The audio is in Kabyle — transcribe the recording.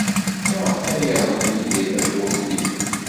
Maɣef ay yerẓem Yidir tawwurt-nni?